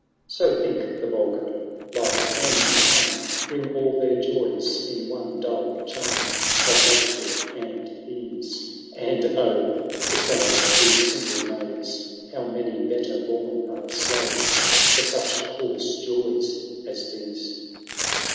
So think the vulgar — Life and time Ring all their joys in one dull chime Of luxury and ease ; And, O ! beside these simple knaves. How many better bom are slaves To such coarse joys as these.